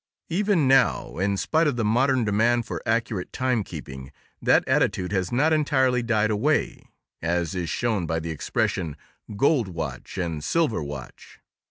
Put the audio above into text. Even now, in spite of the modern demand for accurate timekeeping, that attitude has not entirely died away, as is shown by the expression "gold watch" and "silver watch."